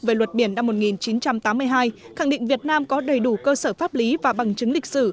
về luật biển năm một nghìn chín trăm tám mươi hai khẳng định việt nam có đầy đủ cơ sở pháp lý và bằng chứng lịch sử